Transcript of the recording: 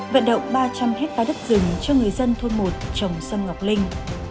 vận động ba trăm linh ha đất rừng cho người dân thôn một trồng sân ngọc linh